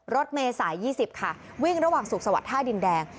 รถเมษาย๒๐ค่ะวิ่งระหว่างสุขสวัสดิท่าดินแดง